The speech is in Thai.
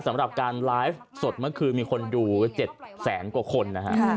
สำหรับการไลฟ์สดเมื่อคืนมีคนดู๗แสนกว่าคนนะฮะ